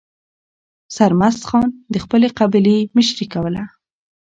سرمست خان د خپلې قبیلې مشري کوله.